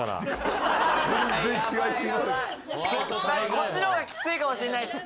こっちの方がきついかもしれないっす。